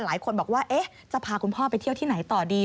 หลายคนบอกว่าจะพาคุณพ่อไปเที่ยวที่ไหนต่อดี